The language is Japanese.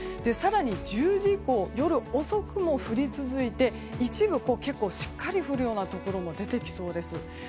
更に１０時以降夜遅くも降り続いて一部、結構しっかり降るところも出てきそうです。